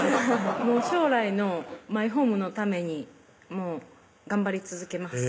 将来のマイホームのためにもう頑張り続けます